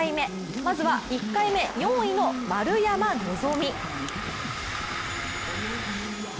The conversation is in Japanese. まずは１回目、４位の丸山希。